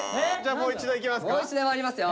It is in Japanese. もう一度まいりますよ。